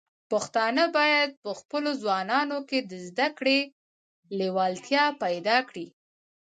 پښتانه بايد په خپلو ځوانانو کې د زده کړې لیوالتیا پيدا کړي.